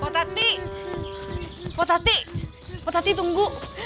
potati potati potati tunggu